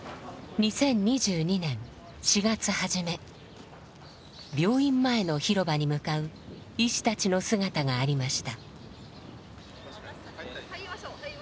２０２２年４月初め病院前の広場に向かう医師たちの姿がありました。